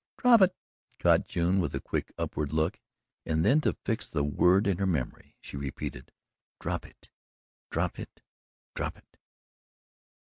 "Drop it," caught June with a quick upward look, and then to fix the word in her memory she repeated "drop it, drop it, DROP it!"